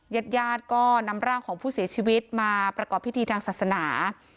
ญาติญาติก็นำร่างของผู้เสียชีวิตมาประกอบพิธีทางศาสนา